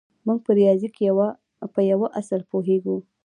موږ په ریاضي کې په یوه اصل پوهېږو